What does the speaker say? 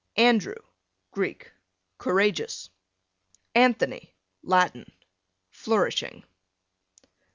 Andrew, Greek, courageous. Anthony, Latin, flourishing.